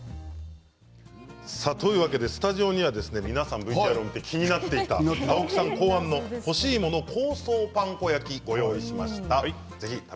スタジオには、皆さん気になっていた青木さん考案の干し芋の香草パン粉焼きをご用意しました。